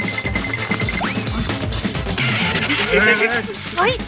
เฮ้ยเฮ้ยเฮ้ย